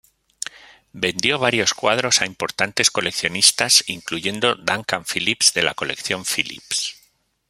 Vendió varios cuadros a importantes coleccionistas incluyendo Duncan Phillips de la Colección Phillips.